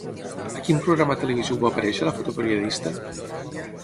A quin programa televisiu va aparèixer la fotoperiodista?